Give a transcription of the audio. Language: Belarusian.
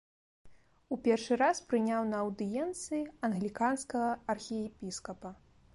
У першы раз прыняў на аўдыенцыі англіканскага архіепіскапа.